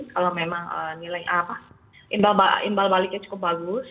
kalau memang nilai imbal baliknya cukup bagus